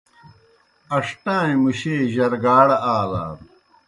ان٘ݜٹَائیں مُشے جرگاڑ آلان۔